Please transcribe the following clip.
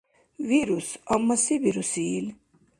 Вирус, амма се бируси ил?